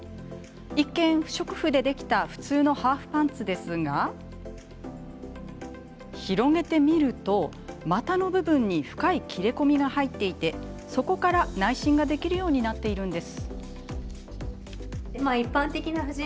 一見、不織布でできた普通のハーフパンツですが広げてみると股の部分に深い切れ込みが入っていてそこから内診ができるようになっているんです。